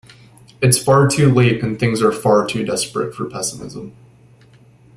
"It's far too late and things are far too desperate for pessimism"